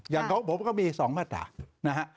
อย่างของผมก็มี๒มาตรา